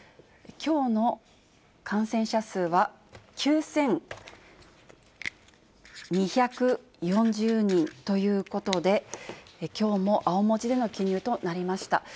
きょうの感染者数は９２４０人ということで、きょうも青文字での記入となりました。